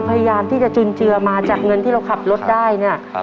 พยายามที่จะจุนเจือมาจากเงินที่เราขับรถได้เนี่ย